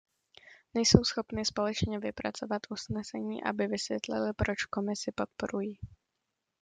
Nejsou schopny společně vypracovat usnesení, aby vysvětlily, proč Komisi podporují.